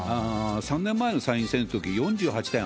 ３年前の参院選のとき、４８．８％。